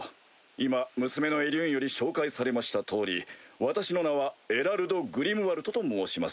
今娘のエリューンより紹介されました通り私の名はエラルド・グリムワルトと申します。